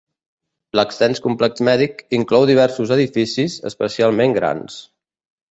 L'extens complex mèdic inclou diversos edificis especialment grans.